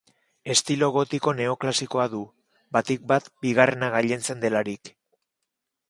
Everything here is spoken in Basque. Estilo gotiko-neoklasikoa du, batik bat bigarrena gailentzen delarik.